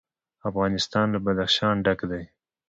افغانستان له بدخشان ډک دی.